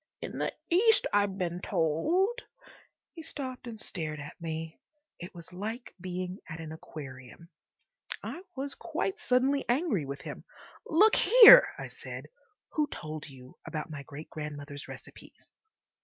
In the East, I've been told—" He stopped and stared at me. It was like being at an aquarium. I was quite suddenly angry with him. "Look here," I said, "who told you about my great grandmother's recipes?"